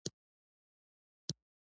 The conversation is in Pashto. و تابلوګانو ته